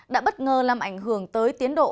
đã bất ngờ làm ảnh hưởng tới tiến độ